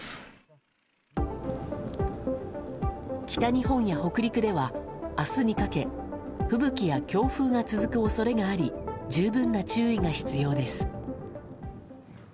北日本や北陸では明日にかけ吹雪や強風が続く恐れがあり十分な注意が必要です。